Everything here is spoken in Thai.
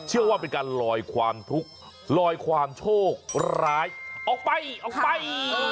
เชื่อว่าเป็นการลอยความทุกข์ลอยความโชคร้ายออกไปออกไป